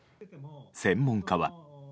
専門家は。